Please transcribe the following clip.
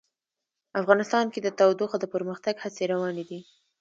افغانستان کې د تودوخه د پرمختګ هڅې روانې دي.